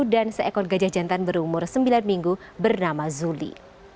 dan seekor gajah jantan berumur sembilan minggu bernama zuli